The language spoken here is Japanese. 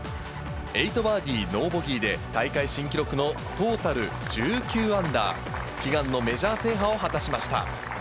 ８バーディーノーボギーで、大会新記録のトータル１９アンダー、悲願のメジャー制覇を果たしました。